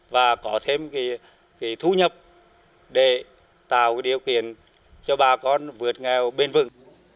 và có thêm thú nhập để tạo điều kiện cho bà con vượt nghèo bên vực